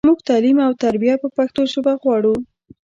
مونږ تعلیم او تربیه په پښتو ژبه غواړو.